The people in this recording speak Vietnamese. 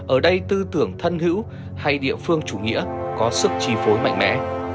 ở đây tư tưởng thân hữu hay địa phương chủ nghĩa có sức trì phối mạnh mẽ